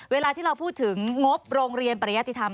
เวลาที่เราพูดถึงงบโรงเรียนปริยติธรรม